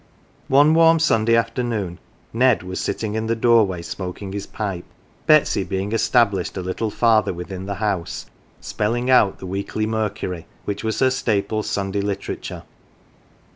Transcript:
One warm Sunday afternoon Ned was sitting in the doorway smoking his pipe, Betsy being established a little farther within the house, spelling out The Weekly Mercury which was her staple Sunday literature.